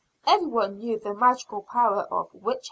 Every one knew the magical power of witch hazel.